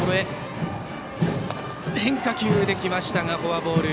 変化球で来ましたがフォアボール。